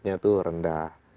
nya itu rendah